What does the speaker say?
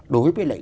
đối với lại